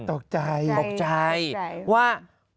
ตกใจว่า